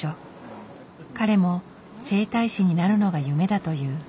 彼も整体師になるのが夢だという。